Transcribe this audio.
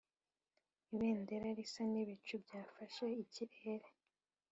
ibendera risa n'ibicu byafashe ikirere,